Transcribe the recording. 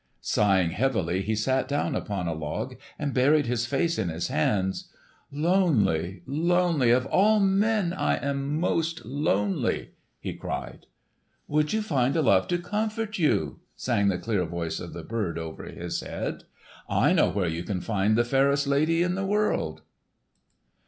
Sighing heavily he sat down upon a log and buried his face in his hands. "Lonely, lonely! Of all men I am most lonely!" he cried. "Would you find a love to comfort you?" sang the clear voice of the bird over his head. "I know where you might find the fairest lady in all the world.